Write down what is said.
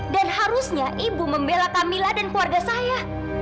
dan harusnya ibu membela kamila dan keluarga saya